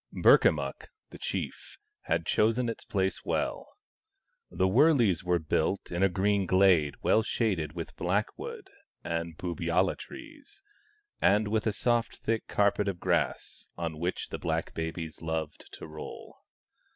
Burkamukk, the chief, had chosen its place well : the wurleys were built in a green glade well shaded with blackwood and boobyalla trees, and with a soft thick carpet of grass, on which the black babies loved to roll.